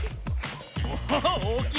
おおっおおきい